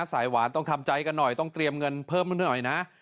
สายหวานต้องทำใจกันหน่อยต้องเตรียมเงินเพิ่มหน่อยนะ